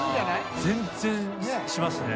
全然しますね。